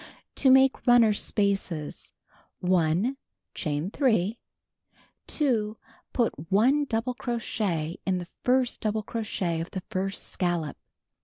To Make Runner Spaces: 1. Chains. 2. Put 1 double crochet in the first double crochet of the first scallop.